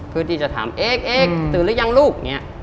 พื้นที่จะถามเอ็กซ์ตื่นหรือยังลูก